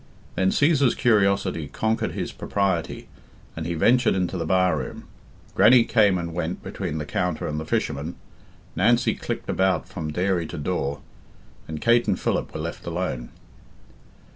Then Cæsar's curiosity conquered his propriety and he ventured into the bar room, Grannie came and went between the counter and the fishermen, Nancy clicked about from dairy to door, and Kate and Philip were left alone.